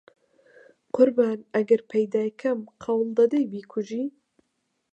قوربان ئەگەر پەیدا کەم قەول دەدەی بیکوژی؟